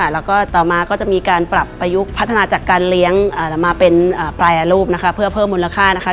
แล้วก็ต่อมาก็จะมีการปรับประยุกต์พัฒนาจากการเลี้ยงมาเป็นแปรรูปนะคะเพื่อเพิ่มมูลค่านะคะ